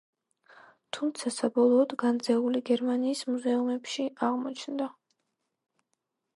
თუმცა, საბოლოოდ განძეული გერმანიის მუზეუმებში აღმოჩნდა.